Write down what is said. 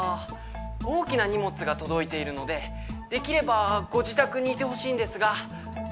大きな荷物が届いてできればご自宅にいてほしいんですが。